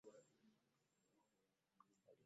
Omukwano mu bituufu gwali muzito.